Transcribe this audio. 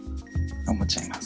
思っちゃいます。